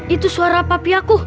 itu suara papi aku